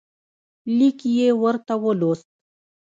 لیک یې ورته ولوست.